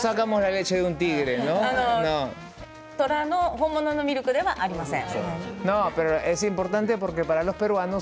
本物の虎のミルクではありません。